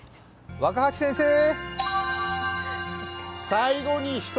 若八先生ー！